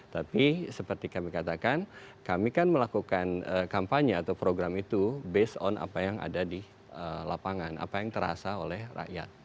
tapi seperti kami katakan kami kan melakukan kampanye atau program itu based on apa yang ada di lapangan apa yang terasa oleh rakyat